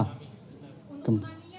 untuk gempa ya